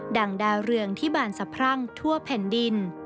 ่งดาวเรืองที่บานสะพรั่งทั่วแผ่นดิน